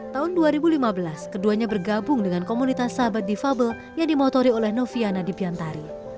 tahun dua ribu lima belas keduanya bergabung dengan komunitas sahabat difabel yang dimotori oleh noviana dipiantari